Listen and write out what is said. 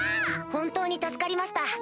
本当に助かりました。